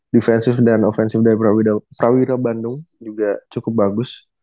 defensive dan offensive dari prawira bandung juga cukup bagus